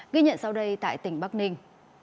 ghi nhận sau đây tại tỉnh bắc ninh